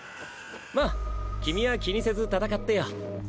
まっ君は気にせず戦ってよ。